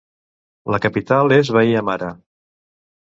La capital és Baia Mare.